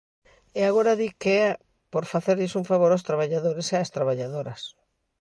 E agora di que é por facerlles un favor aos traballadores e ás traballadoras.